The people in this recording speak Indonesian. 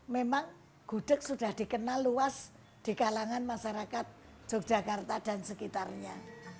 memang gudeg sudah dikenal luas di kalangan masyarakat yogyakarta dan sekitarnya